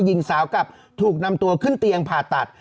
หญิงสาวกลับถูกนำตัวขึ้นเตียงผ่าตัด